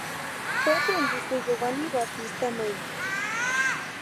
Fue aprendiz de Giovanni Battista Maini.